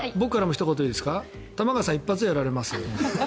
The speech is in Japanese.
玉川さん、一発でやられます。